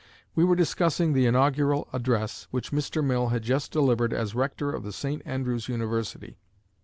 We were discussing the inaugural address which Mr. Mill had just delivered as rector of the St. Andrew's University.